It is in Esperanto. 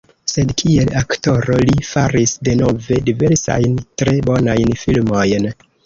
Sed kiel aktoro li faris denove diversajn tre bonajn filmojn.